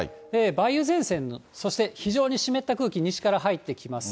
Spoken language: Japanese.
梅雨前線、そして非常に湿った空気、西から入ってきます。